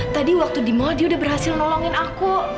tadi waktu di mall dia udah berhasil nolongin aku